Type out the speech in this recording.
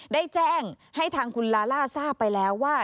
ได้แจ้งให้ทางคุณลาล่าทราบไปแล้วว่า